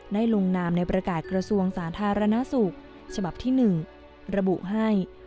ได้ลงนามในประกาศกระสูงสาธารณสุกช๑ระบุให้